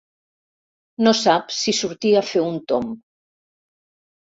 No sap si sortir a fer un tomb.